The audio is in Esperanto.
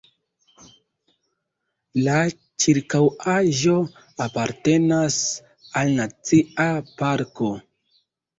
La ĉirkaŭaĵo apartenas al Nacia parko.